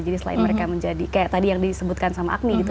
jadi selain mereka menjadi kayak tadi yang disebutkan sama agni gitu